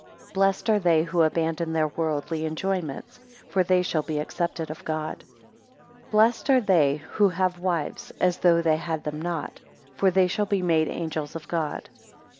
15 Blessed are they who abandon their worldly enjoyments; for they shall be accepted of God. 16 Blessed are they who have wives, as though they had them not; for they shall be made angels of God.